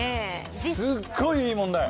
すっごいいい問題。